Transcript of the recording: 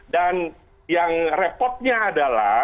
dan yang repotnya adalah